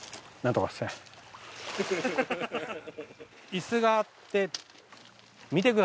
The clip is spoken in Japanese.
椅子があって。